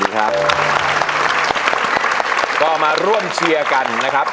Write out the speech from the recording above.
ก็มาร่วมเชียร์กันนะครับ